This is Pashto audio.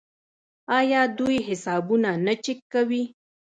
آیا دوی حسابونه نه چک کوي؟